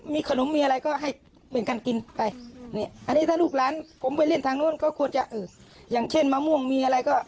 มีขนมมีอะไรก็ให้เหมือนกันกินไปนี่อันนี้ถ้าลูกร้านผมไปเล่นทางนู้นก็ควรจะเอออย่างเช่นมะม่วงมีอะไรก็